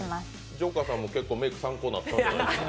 ジョーカーさんも結構メイク参考になったんじゃないですか？